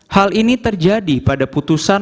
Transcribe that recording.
hal ini terjadi pada putusan